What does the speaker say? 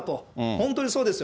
本当にそうですよ。